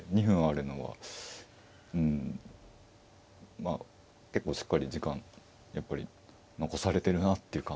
２分あるのは結構しっかり時間やっぱり残されてるなっていう感じですよね。